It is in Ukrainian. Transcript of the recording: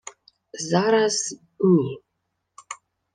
— Зараз... ні.